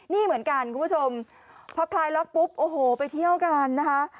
นี่เหมือนกันคุณผู้ชมพอคลายล็อกปุ๊บโอ้โหไปเที่ยวกันนะคะ